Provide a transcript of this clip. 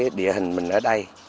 tại vì cái địa hình mình ở đây